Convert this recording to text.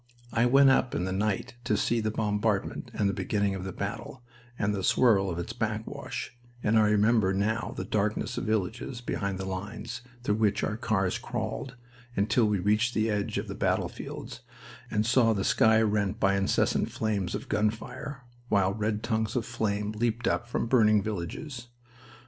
I went up in the night to see the bombardment and the beginning of the battle and the swirl of its backwash, and I remember now the darkness of villages behind the lines through which our cars crawled, until we reached the edge of the battlefields and saw the sky rent by incessant flames of gun fire, while red tongues of flames leaped up from burning villages.